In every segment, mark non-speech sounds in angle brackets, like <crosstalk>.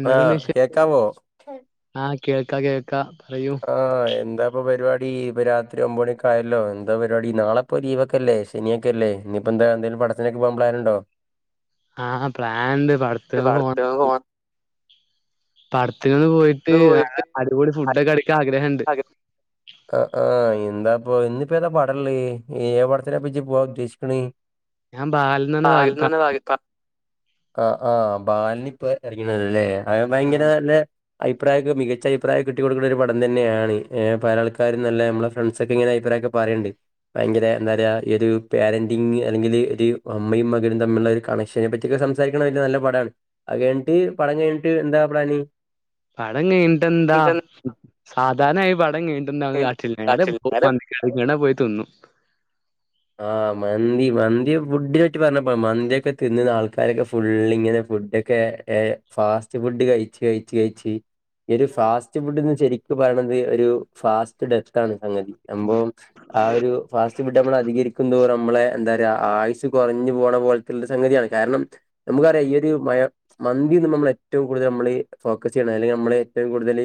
എന്തൊക്കെണ്ട് വിശേഷം ആഹ് കേൾക്കാ കേൾക്കാ പറയൂ ആഹ് എന്താ ഇപ്പ പരിവാടി ഇപ്പൊ രാത്രി ഒമ്പണിയൊക്കായല്ലോ എന്താ പരിപാടി നാളെപ്പൊ ലീവൊക്കല്ലേ ശനിയൊക്കെല്ലേ ഇഞ്ഞിപ്പൊ എന്താ എന്തേലും പടത്തിനൊക്കെ പോവാൻ പ്ലാനുണ്ടോ ആഹ് പ്ലാൻണ്ട് പടത്തിന്ക്കെ പോവം പടത്തിനൊക്കെ പോയിട്ട് നാളെ അടിപൊടി ഫുഡ്ക്കെ അടിക്കാൻ ആഗ്രഹണ്ട് ആഹ് ആഹ് എന്താപ്പെ ഇഞ്ഞിപ്പോ ഏതാ പടള്ളേ ഏ പടത്തിനാ പ്പൊജ്ജ് പോവാഉദ്ദേശിക്ക്‌ണ് ആല്ന്നന്നെ ഭാഗ്യത്ത ആഹ് ആഹ് ബാലനിപ്പോ എറങ്ങിയതാണ്ല്ലേ അ ഭയങ്കര നല്ലെ അഭിപ്രായൊക്കെ മികച്ച അഭിപ്രായൊക്കെ കിട്ടികൊണ്ട്ക്ക്‌ണ ഒരു പടം തന്നെയാണ് ഏഹ് പലാൾക്കാരും തന്നെ നമ്മളെ ഫ്രണ്ട് ഒക്കെ ഇങ്ങനെ അഭിപ്രായൊക്കെ പറീണ്ട് ഭയങ്കരെ എന്താറയാ ഈ ഒരു പേരന്റിങ് അല്ലെങ്കിൽ ഒരു അമ്മയും മകനും തമ്മിലുള്ള ഒരു കണക് ക്ഷനെ പറ്റിയൊക്കെ സംസാരിക്കണ വല്യെ നല്ല പടമാണ് അഹ് കഴിഞ്ഞട്ട് പടം കഴിഞ്ഞിട്ട് എന്താ പ്ലാന് പടം കഴിഞ്ഞിട്ടെന്താ സാധാരണായി പടം കെയ്ഞ്ഞ് ട്ടെന്താമ്മത് കാട്ടൽ നേരെ പോകും മന്തി കടേക്ക് ന്നട്ട് അഹ് പോയി തിന്നും ആഹ് മന്തി മന്തി ഫുഡിനെ പറ്റി പറഞ്ഞപ്പോ ആണ് മന്തി ഒക്കെ തിന്നുന്ന ആൾക്കാരൊക്കെ ഫുൾ ഇങ്ങനെ ഫുഡൊ ക്കെ ഏഹ് ഫാസ്റ്റ് ഫുഡ് കഴിച്ച് കഴിച്ച് കഴിച്ച് ഈ ഒരു ഫാസ്റ്റ് ഫുഡ്ന്ന് ശരിക്ക്‌ പറയണത് ഒരു ഫാസ്റ്റ് ഡെത്ത് ആണ് സംഗതി സംഭവം ആ ഒരു ഫാസ്റ്റ് ഫുഡ് നമ്മൾ അധികരിക്കും തോറും നമ്മളെ എന്താ പറയ ആയുസ് കൊറഞ്ഞു പോണ പോലത്തെള്ളര് സംഗതിയാണ് കാരണം നമുക്കറിയാം ഈ ഒരു മ മന്തിന്നുമ്പോ അമ്മള് ഏറ്റവും കൂടുതൽ നമ്മള് ഫോക്കസ് ചെയ്യണേ അല്ലെങ്കിൽ നമ്മള് ഏറ്റവും കൂടുതല്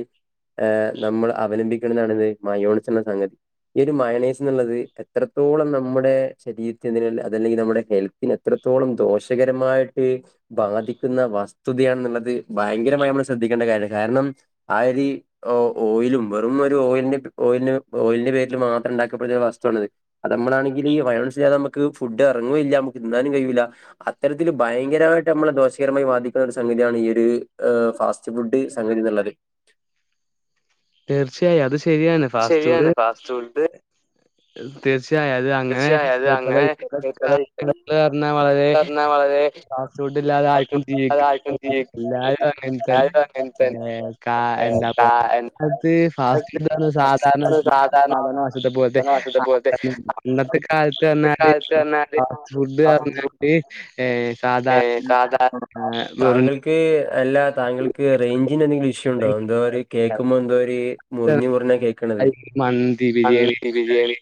ഏ നമ്മൾ അവലംബിക്കുന്നതാണെന്ത് മയോണിസ് എന്ന സംഗതി ഈ ഒരു മയണൈസ് എന്നുള്ളത് എത്രത്തോളം നമ്മുടെ ശരീരത്തിന് അതല്ലെങ്കിൽ നമ്മുടെ ഹെൽ ത്തിനെത്രത്തോളം ദോഷകരമായിട്ട് ബാധിക്കുന്ന വസ്തുതയാണെന്നുള്ളത് ഭയങ്കരമായി നമ്മൾ ശ്രദ്ധിക്കേണ്ട കാര്യാണ് കാരണം ആ ഒര് ഒ ഓയിലും വെ തൊന്നൊരു ഓയിൽന്റെ ഓയിൽൻ്റെ ഓയിൽന്റെ പേരില് മാത്രണ്ടാക്കപ്പെടുന്ന ഒരു വസ്തുവാണിത്. അത് നമ്മളാണെങ്കില് ഈ മയോണൈസിലാതെ നമുക്ക് ഫുഡ് എറങ്ങു ഇല്ല അമക്ക് തിന്നാനും കയൂല. അത്തരത്തില് ഭയങ്കരമായിട്ട് നമ്മളെ ദോഷകരമായി ബാധിക്കുന്ന ഒരു സംഗതിയാണ് ഈ ഒരു ഫാസ് സ്റ്റ്ഫുഡ് സംഗതിന്നിള്ളത്. തീർച്ചയായും അത് ശരിയാണ്. ശരിയാണ് ഫാസ്റ്റ് ഫുഡ്. തീർച്ചയായും അത് അങ്ങനെ ഇപ്പ <unintelligible> കാ. ള് അർഞ്ഞാ വളരെ ഫാസ്റ്റ് ഫുഡ്ല്ലാതെ ആരിക്കും ജീവിക്ക. <unintelligible> എല്ലാരു അങ്ങൻ തന്നെ ഏ കാ എന്താ പോ അത്തേ. ഫാസ്റ്റ് ഫുഡ് സധാരണ വശ് <unintelligible> സാധാരണ <unintelligible> പോൽത്തെ. ആ ഇന്നത്തെ കാലത്ത് പർഞ്ഞാല് ഫാസ്റ്റ് ഫുഡ് പർഞ്ഞാണ്ട്. ഏ ശ്. ഏ സാധാ. താങ്കൾക്ക് അല്ല താങ്കൾക്ക് റേഞ്ചിന് എന്തെങ്കിലും ഇഷ്യൂണ്ടോ എന്തോ ഒര്. കേക്കുമ്പൊ എന്തോര് മുറിഞ്ഞ് മുറിഞ്ഞ കേക്ക്ണത് അൺ ക് ബിര്യാണി.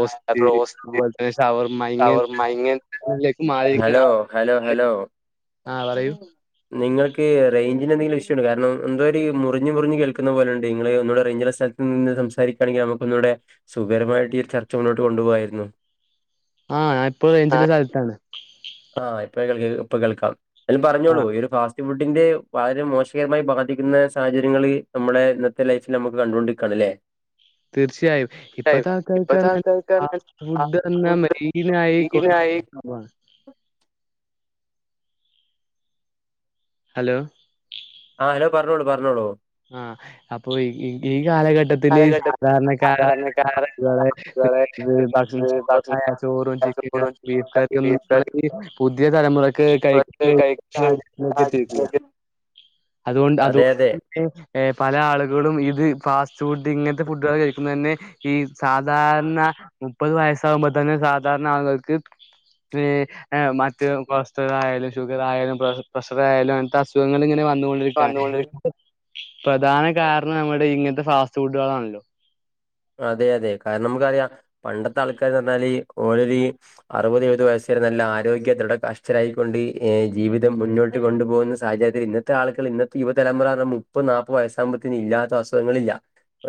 ആ ബ്രോസ്റ്റ് ൾവർമ ഇങ്ങൻ ഹലോ ഹലോ ഹലോ. നിങ്ങൾക്ക് റേഞ്ചിന് എന്തെങ്കിലും ഇഷ്യുണ്ടോ കാരണം എന്തോര് മുറിഞ്ഞ് മുറിഞ്ഞ് കേൾക്ക്ണ പോലണ്ട് ങ്ങളെ ഒന്നൂുടെ റേഞ്ച്ള്ള സ്ഥൽ നിന്ന് സംസാരിക്കാണെങ്കി നമുക്കൊന്നൂടെ സുഖകരമായിട്ട് ഈ ചർച്ച മുന്നോട്ട് കൊണ്ടുപോകായിരുന്നു. ആ ഞാ ഇപ്പോ റേഞ്ചിള്ള സ്ഥൽത്താണ്. ആഹ് ഇപ്പ കേൾക്ക ഇപ്പ കേൾക്കാം എലും പറഞ്ഞോളൂ ഈഒരു ഫാസ് റ്റ് ഫുഡിന്റെ വളരെ മോശകരമായി ബാധിക്കുന്ന സാഹചര്യങ്ങള് നമ്മളെ ഇന്നത്തെ ലൈഫിലമ്മക്ക് കണ്ടൊണ്ടി ക്കാണ് ലേ. തീർച്ചയായും ഇപ്പത്തെ ആൾക്കാര്ക്ക് പറഞ്ഞാ ആ ഫുഡ് അർഞ്ഞാ മെയിനായി കൊണ്ടു അപാണ്. ഹലോ. ആ ഹലോ പർഞ്ഞോളൂ പർഞ്ഞോളൂ. ആഹ് അപ്പൊ ഈ ഈ ഈ കാലഘട്ടത് ത്തില് സാധാരണക്കാരായ ആളുകളെ ക് ഭക്ഷണം ചോറായ ചോറും ചിക്കന. ബീഫ് കറിയൊന്നും നമ്മുടെ ഈ പുതിയ തലമുറക്ക് കഴിക്കന് സാഹചര്യത്തിലേക്ക് എത്തിയിട്ടില്ല. അതെ അതെ. ഏ പല ആളുകളും ഇത് ഫാസ്റ്റ് ഫുഡ് ഇങ്ങൻത്തെ ഫുഡുകള് കഴിക്കുന്നത് തന്നെ ഈ. സാധാരണ മുപ്പത് വയസ്സാകുമ്പ തന്നെ സാധാരണ ആളുകൾക്ക് രേ. ഏ മറ്റഹ് കൊളസ്ട്രോൾ ആയാലും ഷുഗർ ആയാലും പ്ര പ്രഷർ ആയാലും അങ്ങൻത്തെ അസുഖങ്ങളിങ്ങനെ വന്നുകൊ ണ്ടിരിക്കാണ് പ്രധാന കാരണം നമ്മുടെ ഈ ഇങ്ങൻത്തെ ഫാസ്റ്റ് ഫുഡുകളാണല്ലോ. അതെ അതെ കാരണം നമുക്കറിയാം പണ്ടത്ത ആൾക്കാര് അർഞ്ഞാല് ഓലൊരി. അറുപത് എയുപത് വയസ്സില് നല്ല ആരോഗ്യ ദൃട കഷ്ടരായിക്കൊണ്ട് ഏ ജീവിതം മുന്നോട്ട് കൊണ്ടുപോകുന്ന സ് സാഹചര്യത്തില് ഇന്നത്തെ ആളുകള് ഇന്നത്തെ യുവതലമുറാ അർഞ്ഞ മുപ്പ നാപ്പ വയസ്സാവുമ്പത്തിന് ഇല്ലാത്ത അസുഖങ്ങളില്ല.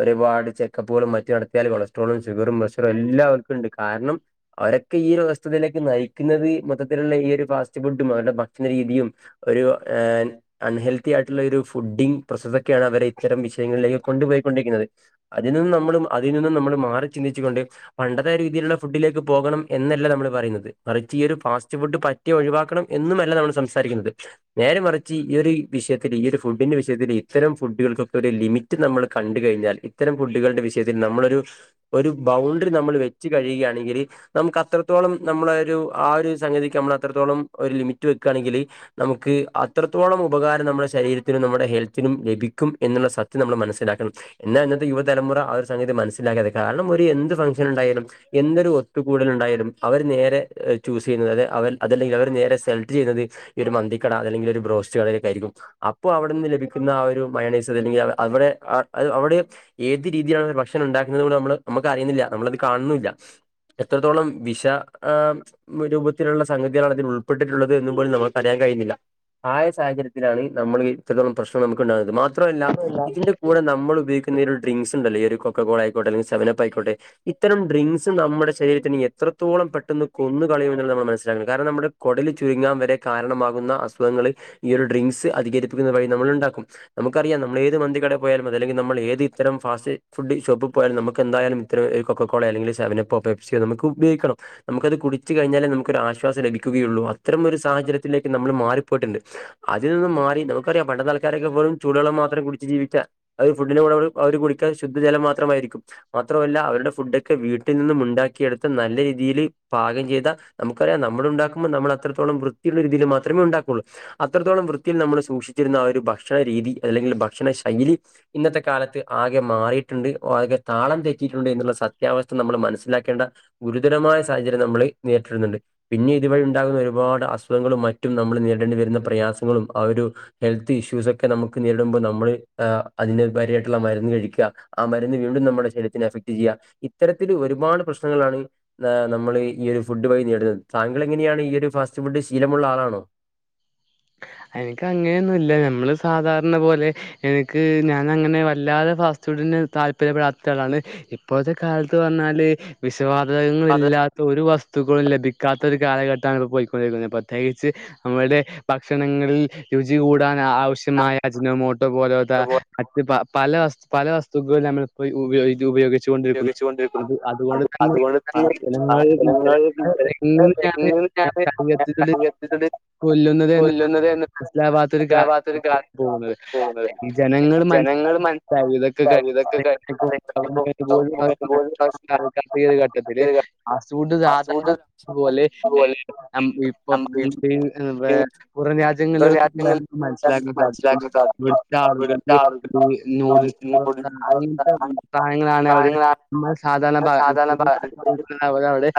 ഒരുപാട് ചെക്കപ്പുകളും മറ്റു നടത്തിയാല് കൊളസ്ട്രോളും ഷുഗറും പ്രഷറും എല്ലാവർക്കുണ്ട് കാര്ണം. അവരൊക്കെ ഈ ഒരു അവസ്ഥതയിലേക്ക് നയിക്കുന്നത് മൊത്തത്തിലുള്ള ഈ ഒരു ഫാസ്റ്റ് ഫുഡും അവരുടെ ഭക്ഷണ രീതിയും. ഒരു ഏ. അൺഹെൽത്തി ആയിട്ട്ള്ള ഒര് ഫുഡ്ഡിംങ് പ്രൊസസൊക്ക്യാണ് അവരെ ഇത്തരം വിഷയങ്ങളിലേക്ക് കൊണ്ടു പോയിക്കൊണ്ടിരിക്ക്ന്നത്. അതി നിന്നും നമ്മള് അതി നിന്നും നമ്മൾ മാറി ചിന്തിച്ചുകൊണ്ട്. പണ്ടത്താ രീതിയില്ള്ള ഫുഡ്ഡിലേക്ക് പോകണം എന്നല്ല നമ്മള് പറയ്ന്നത് മറിച്ച് ഈ ഒര് ഫാസ്റ്റ് ഫുഡ്ഡ് പ റ്റ് ഒഴിവാക്കണം എന്നുമല്ല നമ്മള് സംസാരിക്ക്ന്നത്. നേരെ മറിച്ച് ഈ ഒര് വിഷയത്തില് ഈ ഒരു ഫുഡ്ഡിന്റെ വിഷയത്തില് ഇത്തരം ഫുഡ്ഡ്കൾക്കൊക്കൊര് ലിമിറ്റ് റ്റ് നമ്മള് കണ്ട് കഴിഞ്ഞാൽ ഇത്തരം ഫുഡ്ഡ്കള്ടെ വിഷയത്തിൽ നമ്മളൊരു ഒര് ബൗണ്ട്രി നമ്മള് വെച്ച് കഴിയ്കയാണെങ്കില് നമുക്ക് അത്രത്തോളം നമ്മളെ ഒര് ആഹ് ഒര് സംഗതിക്ക് നമ്മള് അത്രത്തോളം ഒര് ലിമിറ്റ് വെക്കാണെങ്കില് നമുക്ക് അത്രത്തോളം ഉപകാരം നമ്മ്ടെ ശരീരത്തിന് നമ്മുടെ ഹെൽത്തിനും ലഭിക്കും എന്ന്ള്ള സത്യം നമ്മള് മനസ്സിലാക്കണം ഇന്നാ ഇന്നത്തെ യുവതലമുറ ആഹ് ഒര് സംഗതി മനസ്സിലാക്കതെ കാര്ണം ഒര് എന്ത് ഫംഗ്ഷൻ ഇണ്ടായാലും എന്തൊരു ഒത്തുകൂടല് ഇണ്ടായാലും അവര് നേരെ ചൂസീയ്യ്ന്നത് അതെ അവര് അതല്ലെങ്കില് അവര് നേരെ സെലക്ട് ചെയ്യുന്നത് ഈഒര് മന്തിക്കട അതല്ലെങ്കില് ഒര് ബ്രോസ്റ്റ് കടയിലേക്കായിരിക്കും അപ്പൊ അവിട്ന്ന് ലഭിക്ക്ന്ന ആഹ് ഒര് മയോണയ്സ് അല്ലെങ്കി അവടെ അവടെയും ഏത് രീതിയിലാണ് ഭക്ഷണം ഇണ്ടാക്ക്ന്നത് കൂടെ നമ്മള് നമ്മക്ക് അറിയ്ന്നില്ല നമ്മളത് കാൺന്നൂല്ല എത്രത്തോളം വിശാ ആഹ് രൂപത്തില്ള്ള സംഗതിയാണ് അതിൽ ഉൾപ്പെട്ടിട്ട്ള്ളത് എന്ന് പോലും നമ്മക്ക് അറിയാൻ കഴ്ന്നില്ല ആയ സഹചര്യത്ത്ലാണ് നമ്മള് ഇത്രത്തോളം പ്രശ്നം നമ്മക്ക്ണ്ടാക്ന്നത് മാത്ര മാത്രവല്ല ഇതിന്റെ കൂടെ നമ്മള് ഉപയോഗിക്ക്ന്ന ഒര് ഡ്രിങ്ക്സ് ഇണ്ടല്ലൊ ഈഒര് കൊക്കോള ആയ്കോട്ടെ അല്ലെങ്കി സവനപ്പ് ആയ്ക്കോട്ടെ ഇത്തരം ഡ്രിങ്ക്സ് നമ്മടെ ശരീരത്തിന് എത്രത്തോളം പെട്ടെന്ന് കൊന്ന് കളയുമെന്ന് നമ്മള് മനസ്സിലാക്കണം കാരണം നമ്മുടെ കൊടല് ചുരുങ്ങാൻ വരെ കാരണമാകുന്ന അസുഖങ്ങള് ഈ ഒര് ഡ്രിങ്ക്സ് അധികരിപ്പിക്കുന്ന വഴി നമ്മള്ണ്ടാക്കും നമുക്കറിയാം നമ്മൾ ഏത് മന്തി കടയി പോയാലും അതല്ലെങ്കി നമ്മള് ഏത് ഇത്തരം ഫാസ്റ്റ് ഫുഡ്ഡ് ഷോപ്പിൽ പോയാലും നമുക്ക് എന്തായാലും ഇത്തരം ഒര് കൊക്കോളെ അല്ലങ്കില് സെവനപ്പൊ പെപ്സ്യൊ നമുക്ക് ഉപയോഗിക്കണം നമുക്കത് കുടിച്ചു കഴിഞ്ഞാലെ നമുക്ക് ഒര് ആശ്വാസം ലഭിക്കുകയുള്ളു അത്തരം ഒര് സാഹചര്യത്തിലേക്ക് നമ്മള് മാറിപ്പോയിട്ട്ണ്ട് അതിൽനിന്നും മാറി നമുക്കറിയാം പണ്ടതെ ആൾകാരൊക്ക പ്പളും ചൂടെള്ളം മാത്രം കുടിച്ച് ജീവിച്ച അത് ഒരു ഫുഡ്ഡിനോടോട് പ്പ അവര് കുടിക്ക ശുദ്ധജലം മാത്രമായിരിക്കും മാത്രമല്ല അവര്ടെ ഫുഡ്ഡൊക്കെ വീട്ടിൽ നിന്നും ഉണ്ടാക്കിയെട്ത്ത് നല്ല രീതിയില് പാകം ചെയ്ത നമുക്കറിയാം നമ്മള് ഉണ്ടാക്കുമ്പൊ നമ്മള് അത്രത്തോളം വൃത്തിള്ളൊര് ഇതില് മാത്രമെ ഉണ്ടാക്കൊള്ളു അത്രത്തോളം വൃത്തിയിൽ നമ്മൾ സൂക്ഷിച്ചിര്ന്ന ആഹ് ഒര് ഭക്ഷണരീതി അല്ലെങ്കി ഭക്ഷണ ശൈലി ഇന്നത്തെ കാലത്ത് ആകെ മാറിയിട്ടുണ്ട് ഓ ആകെ താളം തെറ്റിയിട്ടുണ്ട് എന്ന്ള്ള സത്യാവസ്ഥ നമ്മള് മനസ്സിലാക്കേണ്ട ഗുരുതരമായ സാഹചര്യം നമ്മള് നേരിട്ട്ടുന്നുണ്ട് പിന്നി ഇതുവഴി ഉണ്ടാകുന്ന ഒരുപാട് അസുഖങ്ങളും മറ്റും നമ്മൾ നേരിടേണ്ടി വരുന്ന പ്രയാസങ്ങളും ആഹ് ഒരു ഹെൽത്തി ഇഷ്യൂസൊക്കെ നമ്മ്ക്ക് നേരിട്മ്പൊ നമ്മള് ഏഹ് അതിനുപരി ള്ള മരുന്ന് കഴിക്ക ആഹ് മരുന്ന് വീണ്ടും നമ്മ്ടെ ശരീരത്തിന് എഫക്ട് ചിയ്യ ഇത്തരത്തിൽ ഒരുപാട് പ്രശ്നങ്ങളാണ് താ നമ്മള് ഈ ഒരു ഫുഡ്ഡ് വഴി നേരിടുന്നത് താങ്കൾ എങ്ങനെയാണ് ഈ ഒര് ഫാസ്റ്റ് ഫുഡ്ഡ് ശീലമുള്ള ആളാണൊ എനിക്ക് അങ്ങനെന്നുല്ല ഞമ്മള് സാധാര്ണ പോലെ എനിക്ക് ഞാനങ്ങനെ വല്ലാതെ ഫാസ്റ്റ് ഫുഡ്ഡിന് താല്പര്യപ്പെടാത്തളാണ് ഇപ്പോഴത്തെ കാല്ത്ത് പറ്ഞ്ഞാല് വിഷവാതകങ്ങളില്ലാത്ത ഒരു വസ്തു സ്ത്തുക്കളും ലഭിക്കാത്ത ഒര് കാലഘട്ടാണ് ഇപ്പൊ പൊയ്ക്കൊണ്ടിരിക്കുന്നത് പ്രത്യേകിച്ച് നമ്മൾടെ ഭക്ഷണങ്ങളിൽ രുചി കൂടാൻ ആവശ്യമായ അജ്നോ മോട്ടോ പോലോത്ത മറ്റ് പലസ് പല വസ്തുക്കളും ഞമ്മൾ ഉപയോഗി ഉപയോഗിച്ചു കൊണ്ടി ഉബയോഗിക്കുന്നദ് അത് അത്കൊണ്ട് തന്നെ ആഹ് ജനങ്ങളിൽ <unintelligible> ഞാന് <unintelligible> കൊല്ലുന്നത് എന്ന് സ്സ്ലാവത്തൊരു കാര്യ പോവുന്നത് ഈ ജനങ്ങള് മനസ്സിലാക്ക <unintelligible> ഒര് <unintelligible> ഘട്ടത്തില് അസൂണ്ട് സാധാര്ണ അത്പോലെ ഏഹ് ഞമ് ഇപ്പൊ പണിണ്ട് വേ പുറം രാജ്യങ്ങളിലൊക്ക മനസ്സിലാക്കാൻ സാധിക്കും ഇവിട്ത്തെ ആളുകൾക് നൂഡി നൂഡി അങ്ങനീം മിറ്റ് സാധങ്ങളാണ് അവർ നമ്മളെ സാധാര്ണ ഭാഗ <unintelligible> അവടെ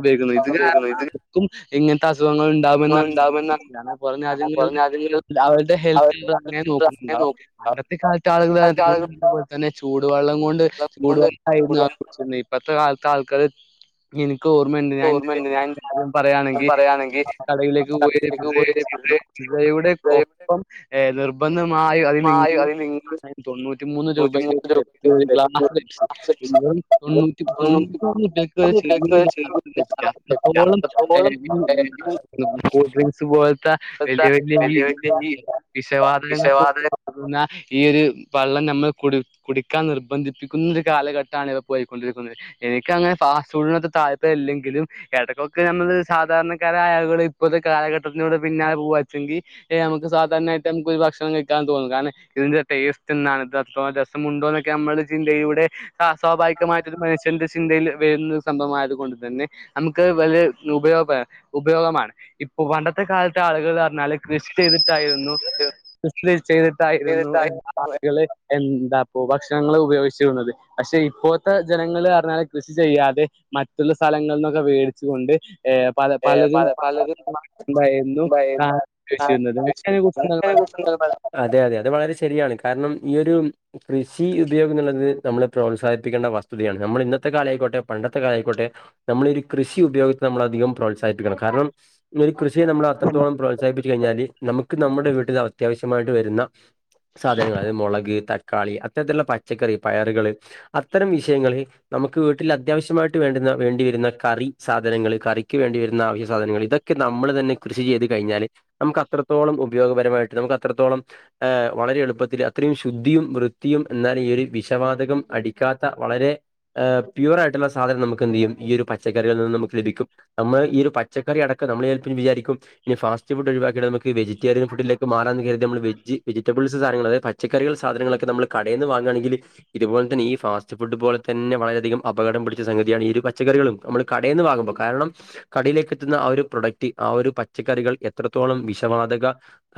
ഉപയോഗിക്കുന്നത് ഇത് കാരണ നമുക്കും ഇങ്ങൻത്തെ അസുഖങ്ങള്ണ്ടാ ങ്ങൾണ്ടാവുമെന്നാ പൊറം രാജ്യങ്ങളിലും അവര്ടെ ഹെൽത്തൊന്നും അങ്ങനെ നോക്കുന്നുണ്ടാവും അന്നത്തെ കാലത്ത് ആളുകളന്നെ <unintelligible> ചൂടുവെള്ളം കൊണ്ട് ചൂടുവെള്ളായിരുന്നു ആ കുടി ച്ചിര്ന്നേ ഇപ്പത്തെ കാലത്താൾക്കാര് ഇനിക്കോർമ്മയ്ണ്ട് ഞാനിന്റൊരു അനുഭവം പറയാണെങ്കി കടയിലേക്ക് പോയ <unintelligible> ഇവയുടെ ഒപ്പം ഏഹ് നിർബന്ധമായും അതിലി <unintelligible> തൊണ്ണൂറ്റി മൂന്ന് രൂപയുടെ പെപ്സിയൊരു ഗ്ലാസ് <unintelligible> ഏ <unintelligible> കൂൾ ഡ്രിങ്ക്സ് ഇതുപോൽത്ത വലിയ വലിയ <unintelligible> വിഷവാദകങ്ങൾകൊക്കെ തോന്നുന്ന ഈയൊരു വള്ളം നമ്മൾ കുടി കുടിക്കാൻ നിർബന്ധിപ്പിക്കുന്നൊരു കാലഘട്ടാണിപ്പോ പോയിക്കൊണ്ടിരിക്കുന്നത് എനിക്കങ്ങനെ ഫാസ്റ്റ് ഫുഡിനോട് താൽപ്പര്യല്ലെങ്കിലും ഇടക്കൊക്കെ നമ്മള് സാധാരണക്കാരായ ആളുകള് ഇപ്പത്തെ കാലഘട്ടത്തിനോട് പിന്നാലെ പോവാ ച്ചെങ്കി ഏഹ് നമുക്ക് സാധാരണായിട്ട് നമ്മക്കൊരു ഭക്ഷണം കഴിക്കാൻ തോന്നും കാരണ ഇതിന്റെ ടേസ്റ്റ്ന്നാണ് ഇതത്ര രസമുണ്ടോന്നൊക്കെ നമ്മളെ ചിന്തയുടെ ആ സ്വാഭാവികമായിട്ടൊരു മനുഷ്യ ന്റെ ചിന്തയിൽ വരുന്ന സംഭവമായത് കൊണ്ട് തന്നെ നമുക്കത് വലിയ ഉപയോഗ ഉപയോഗമാണ് ഇപ്പൊ പണ്ടത്തെ കാലത്തെ ആളുകള് പറഞ്ഞാല് കൃഷി ചെയ്തിട്ടായിരുന്നു കൃഷി ചെയ്തിട്ടായിരുന്നു എന്ന് ആളുകള് എന്താപ്പോ ഭക്ഷണങ്ങള് ഉപയോഗിച്ചിരുന്നത് പക്ഷെ ഇപ്പോത്തെ ജനങ്ങള്റ്ഞ്ഞാല് കൃഷി ചെയ്യാതെ മറ്റുള്ള സ്ഥലങ്ങളിൽന്നൊക്കെ വേടിച്ചുകൊണ്ട് ഏ പല പലരും <unintelligible> മരുന്നും <unintelligible> കുത്തി വെച്ച് വരുന്നത് <unintelligible> അതെ അതെ അത് വളരെ ശെരിയാണ് കാരണം ഈയൊരു കൃഷി ഉപയോഗം എന്നുള്ളത് നമ്മള് പ്രോത്സാഹിപ്പിക്കേണ്ട വസ്തുതയാണ് നമ്മളിന്നത്തെ കാലായിക്കോട്ടെ പണ്ടത്തെ കാലായിക്കോട്ടെ നമ്മളൊരു കൃഷി ഉപയോഗത്തിന് നമ്മളധികം പ്രോത്സാഹിപ്പിക്കണം കാരണം പിന്നൊരു കൃഷിയെ നമ്മള് അത്രത്തോളം പ്രോത്സാഹിപ്പിച്ചു കഴിഞ്ഞാല് നമുക്ക് നമ്മുടെ വീട്ടിലത്യാവശ്യമായിട്ട് വരുന്ന സാധനങ്ങള് അതായത് മുളക്, തക്കാളി, അത്തരത്തിലുള്ള പച്ചക്കറി, പയറുകള്, അത്തരം വിഷയങ്ങള് നമുക്ക് വീട്ടിലത്യാവശ്യമായിട്ട് വേണ്ടുന്ന വേണ്ടി വരുന്ന കറി, സാധനങ്ങള്, കറി ക്ക് വേണ്ടി വരുന്ന ആവശ്യ സാധങ്ങള് ഇതൊക്കെ നമ്മള് തന്നെ കൃഷി ചെയ്ത് കഴിഞാല് നമുക്കത്രത്തോളം ഉപയോഗപരമായിട്ട് നമുക്കത്രത്തോളം ഏ് വളരെ എളുപ്പത്തില് അത്രയും ശുദ്ധിയും വൃത്തിയും എന്നാൽ ഈയൊരു വിഷവാതകം അടിക്കാത്ത വളരെ ഏഹ് പ്യുറായിട്ടുള്ള സാധനം നമുക്കെന്തെയ്യും ഈയൊരു പച്ചക്കറികളിൽ നിന്നും നമുക്ക് ലഭിക്കും നമ്മൾ ഈയൊരു പച്ചക്കറിയടക്കം നമ്മള് ചെലപ്പ വിചാരിക്കും ഇഞ് ഫാസ്റ്റ് ഫുഡൊയിവാക്കിട്ട് നമക്ക് വെജിറ്റേറിയൻ ഫുഡിലേക്ക് മാറാന്ന് കരുതി നമ്മള് വെജ്ജ് വെജിറ്റബിൾസ് സാധനങ്ങള് അതായത് പച്ച ക്കറികൾ സാധനങ്ങളൊക്കെ നമ്മള് കടേന്ന് വാങ്ങാണെങ്കില് ഇതുപോലെ തന്നെ ഈ ഫാസ്റ്റ് ഫുഡ് പോലെ തന്നെ വളരെയധികം അപകടം പിടിച്ച സംഗതിയാണ് ഈയൊരു പച്ചറികളും നമ്മള് കടേന്ന് വാങ്ങുമ്പം കാരണം കടയിലേക്കെത്തുന്ന ആ ഒരു പ്രൊഡക്റ്റ് ആ ഒരു പച്ചക്കറികൾ എത്രത്തോളം വിഷവാതക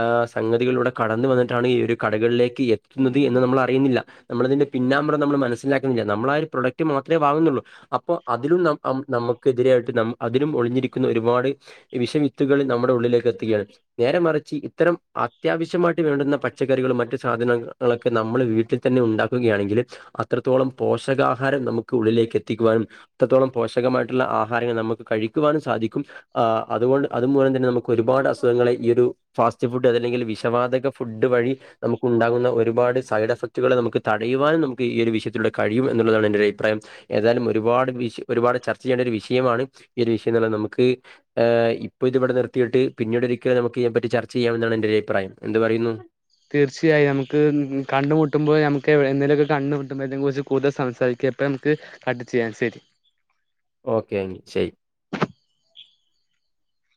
ആ് സംഗതികളിലൂടെ കടന്ന് വന്നിട്ടാണ് ഈയൊരു കടകളിലേക്ക് എത്തുന്നത് എന്ന് നമ്മളറിയുന്നില്ല നമ്മളിതിന്റെ പിന്നാമ്പുറം നമ്മള് മനസ്സിലാക്കുന്നില്ല നമ്മള് ആ ഒരു പ്രൊഡക്റ്റ് മാത്രമേ വാങ്ങുന്നൊള്ളൂ അപ്പൊ അതിലും ന നമുക്കെതിരായിട്ട് അതിലും ഒളിഞ്ഞിരിക്കുന്ന ഒരുപാട് ഈ വിഷവിത്തുകള് നമ്മുടെ ഉള്ളിലേക്ക് എത്തുകയാണ് നേരെ മറിച്ച് ഇത്തരം അത്യാവശ്യയിട്ട് വേണ്ടുന്ന പച്ചക്കറികളും മറ്റു സാധനങ്ങളൊക്കെ നമ്മൾ വീട്ടിൽ തന്നെ ഉണ്ടാക്കുകയാണെങ്കിൽ അത്രത്തോളം പോഷകാഹാരം നമുക്ക് ഉള്ളിലേക്ക് എത്തിക്കുവാനും അത്രത്തോളം പോഷകമായിട്ടുള്ള ആഹാരങ്ങൾ നമുക്ക് കഴിക്കുവാനും സാധിക്കും. അതുകൊണ്ട് അതുമൂലം തന്നെ നമുക്ക് ഒരുപാട് അസുഖങ്ങളെ ഈ ഒരു ഫാസ്റ്റ് ഫുഡ് അതല്ലെങ്കിൽ വിഷവാതക ഫുഡ് വഴി നമുക്ക് ഉണ്ടാകുന്ന ഒരുപാട് സൈഡ് എഫക്റ്റുകൾ നമുക്ക് തടയുവാനും നമുക്ക് ഈ ഒരു വിഷയത്തിലൂടെ കഴിയും എന്നുള്ളതാണ് എൻന്റെ ര് അഭിപ്രായം. ഏതായാലും ഒരുപാട് വിഷ ഒരുപാട് ചർച്ച ചെയ്യേണ്ട ഒരു വിഷയമാണ് ഈ ഒരു വിഷയം എന്നുള്ളത് നമുക്ക് ഇപ്പോ ഇത് ഇവിടെ നിർത്തിയിട്ട് പിന്നീട് ഒരിക്കൽ നമുക്ക് ഇതിനെപറ്റി ചർച്ച ചെയ്യമെന്നാണ് എന്റെ ഒര അഭിപ്രായം എന്ത് പറയുന്നു. തീർച്ചയായം നമുക്ക് കണ്ടുമുട്ടുമ്പോൾ നമുക്ക് എവ എന്തേലുംഒക്കെ കണ്ടുമുട്ടുമ്പോൾ ഇതിനെ കുറിച്ച് കൂടുതൽ സംസാരിക്കാം ഇപ്പോം നമുക്ക് അട് ചെയ്യാൻ ശരി. ഓക്കെണ് ശരി